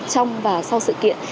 trong và sau sự kiện